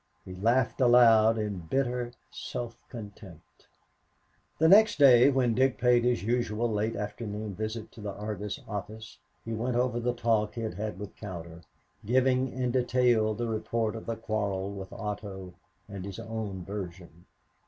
He laughed aloud in bitter self contempt. The next day when Dick paid his usual late afternoon visit to the Argus office, he went over the talk he had had with Cowder, giving in detail the report of the quarrel with Otto and his own version.